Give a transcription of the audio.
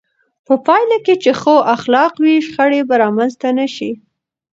په پایله کې چې ښو اخلاق وي، شخړې به رامنځته نه شي.